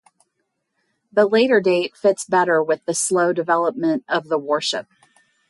The later date fits better with the slow development of the worship.